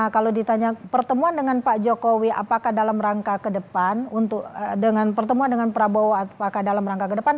kalau ditanya pertemuan dengan pak jokowi apakah dalam rangka ke depan untuk dengan pertemuan dengan prabowo apakah dalam rangka ke depan